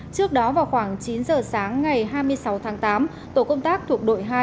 trước đó vào khoảng chín giờ sáng ngày hai mươi sáu tháng tám tổ công tác thuộc đội hai